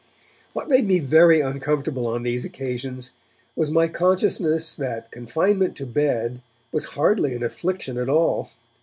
What made me very uncomfortable on these occasions was my consciousness that confinement to bed was hardly an affliction at all.